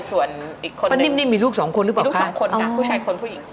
ส่วนอีกคนหนึ่งมีลูกสองคนหรือเปล่าคะอเรนนี่มีลูกสองคนค่ะผู้ชายคนผู้หญิงคน